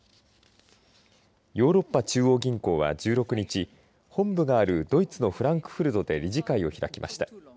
ヨーロッパ中央銀行は１６日本部があるドイツのフランクフルトで理事会を開きました。